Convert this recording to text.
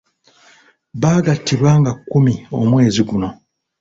Baagattibwa nga kumi omwezi guno.